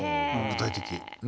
具体的。